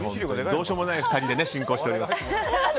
どうしようもない２人で進行しております。